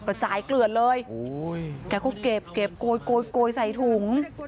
ก็จ่ายเกลือดเลยโอ้ยแกก็เก็บเก็บโกยโกยโกยใส่ถุง